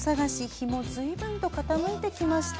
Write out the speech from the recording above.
日もずいぶん傾いてきました。